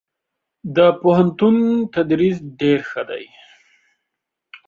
دپوهنتون تدريس ډير ښه دی.